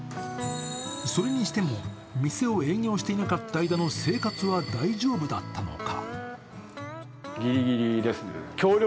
それにしても店を営業していなかった間の生活は大丈夫だったのか。